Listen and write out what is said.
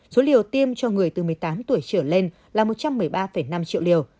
số liều tiêm cho người từ một mươi tám tuổi trở lên là một trăm một mươi ba năm triệu liều